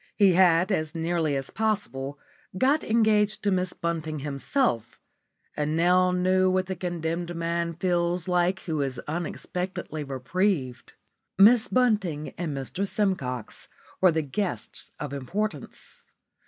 He had as nearly as possible got engaged to Miss Bunting himself, and now knew what the condemned man feels like who is unexpectedly reprieved. Miss Bunting and Mr Simcox were the guests of importance.